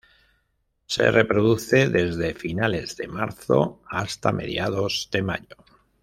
Se reproduce desde finales de marzo hasta mediados de mayo.